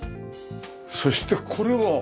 そしてこれは？